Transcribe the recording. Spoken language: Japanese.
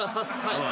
はい。